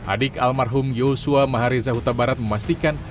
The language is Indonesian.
adik almarhum yosua mahariza huta barat memastikan